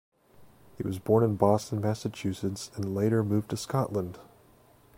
He was born in Boston, Massachusetts and later moved to Scotland.